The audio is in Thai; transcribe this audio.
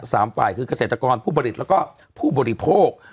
สามฝ่ายคือเกษตรกรผู้ผลิตแล้วก็ผู้บริโภค